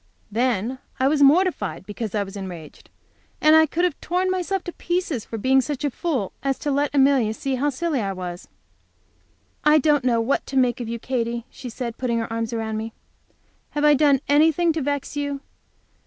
Then I was mortified because I was enraged, and I could have torn myself to pieces for being such a fool as to let Amelia see how silly I was. "I don't know what to make of you, Katy," she said, putting her arms round me. "Have I done anything to vex you?